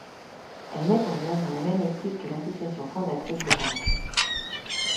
Elles mettent en œuvre la même éthique que l'association fondatrice de Paris.